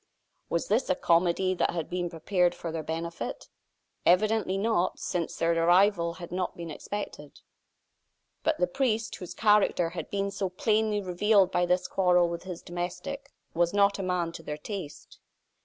Was this a comedy that had been prepared for their benefit? Evidently not, since their arrival had not been expected. But the priest, whose character had been so plainly revealed by this quarrel with his domestic, was not a man to their taste.